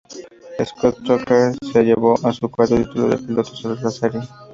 Scott Tucker se llevó su cuarto título de pilotos en la serie.